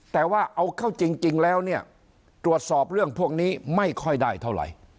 แต่ว่าเอาเข้าจริงแล้วเนี่ยตรวจสอบเรื่องพวกนี้ไม่ค่อยได้เท่าไหร่